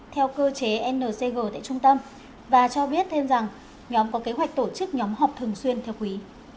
theo cơ chế ncg tại trung tâm và cho biết thêm rằng nhóm có kế hoạch tổ chức nhóm họp thường xuyên theo quý